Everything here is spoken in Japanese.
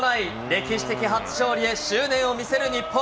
歴史的初勝利で執念を見せる日本。